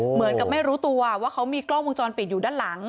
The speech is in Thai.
เหมือนกับไม่รู้ตัวว่าเขามีกล้องวงจรปิดอยู่ด้านหลัง